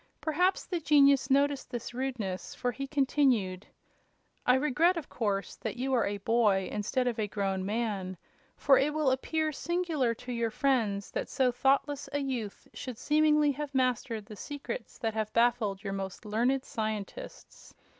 Perhaps the genius noticed this rudeness, for he continued: "I regret, of course, that you are a boy instead of a grown man, for it will appear singular to your friends that so thoughtless a youth should seemingly have mastered the secrets that have baffled your most learned scientists.